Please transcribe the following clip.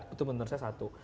itu menurut saya satu